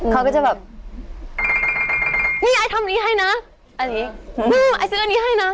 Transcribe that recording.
เขาก็จะแบบนี่ไอ้ทำนี้ให้นะอันนี้แม่ไอ้ซื้ออันนี้ให้นะ